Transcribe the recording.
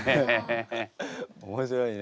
面白いね。